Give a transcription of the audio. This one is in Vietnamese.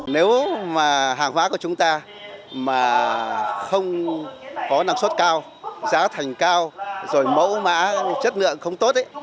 nếu mà hàng hóa của chúng ta mà không có năng suất cao giá thành cao rồi mẫu mã chất lượng không tốt